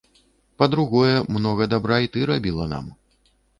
А па-другое, многа дабра і ты рабіла нам.